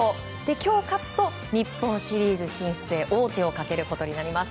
今日勝つと、日本シリーズ進出に王手をかけることになります。